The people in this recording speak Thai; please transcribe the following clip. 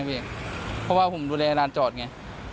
เพราะว่าผมดูแลร้านจอดไง